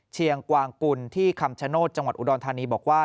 กวางกุลที่คำชโนธจังหวัดอุดรธานีบอกว่า